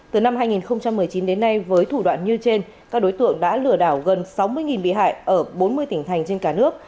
từ năm hai nghìn một mươi chín đến nay với thủ đoạn như trên các đối tượng đã lừa đảo gần sáu mươi bị hại ở bốn mươi tỉnh thành trên cả nước